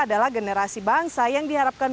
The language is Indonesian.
adalah generasi bangsa yang diharapkan